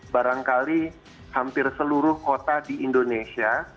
barangkali hampir seluruh kota di indonesia